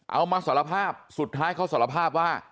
เอามาสารภาพสุดท้ายเขาสารภาพว่า